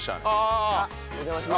あっお邪魔します。